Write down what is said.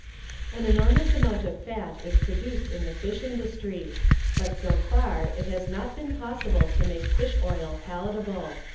23 An enormous amount of fat is produced in the fish industry, but so far it has not been possible to make fish oil palatable.